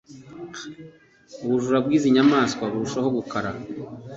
ubujura bw’izi nyamanswa burushaho gukara